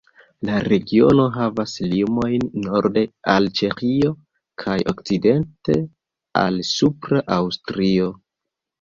La regiono havas limojn norde al Ĉeĥio, kaj okcidente al Supra Aŭstrio.